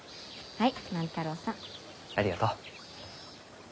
はい。